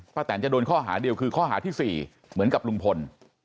แตนจะโดนข้อหาเดียวคือข้อหาที่๔เหมือนกับลุงพล